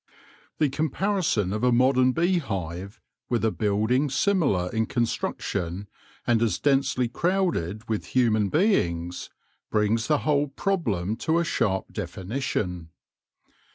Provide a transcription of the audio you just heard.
The comparison of a modern beehive with a building similar in construction, and as densely crowded with human beings, brings the whole problem to a sharp definition.